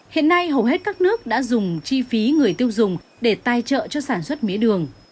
hiện nay hầu hết các nước đã dùng chi phí người tiêu dùng để tài trợ cho sản xuất mía đường